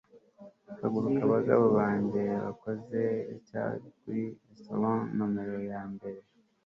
Haguruka bagabo banjye bakoze igihe cyawe kuri ration Numero ya mbere